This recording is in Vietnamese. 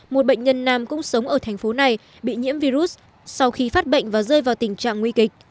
một bệnh nhân nam cũng sống ở thành phố này bị nhiễm virus sau khi phát bệnh và rơi vào tình trạng nguy kịch